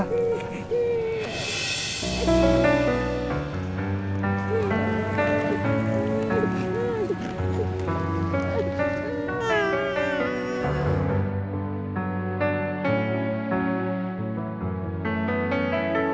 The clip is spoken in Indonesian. seneng kita jalan jalan sama papa